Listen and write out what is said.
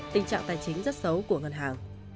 tình trạng tài chính rất xấu của ngân hàng